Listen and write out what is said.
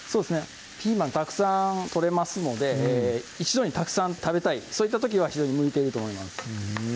ピーマンたくさん取れますので一度にたくさん食べたいそういった時は非常に向いていると思います